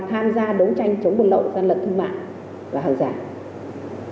tham gia đấu tranh chống buôn lậu gian lận thương mại và hạng giải